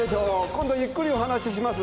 今度ゆっくりお話しします。